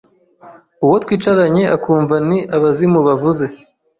uwo twicaranye akumva ni abazimu bavuze